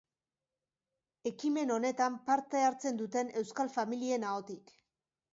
Ekimen honetan parte hartzen duten euskal familien ahotik.